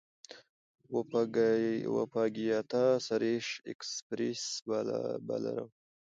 وپاګیتا سريش ایکسپریس بالر وه.